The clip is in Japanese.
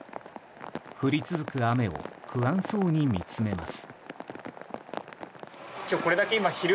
降り続く雨を不安そうに見つめます。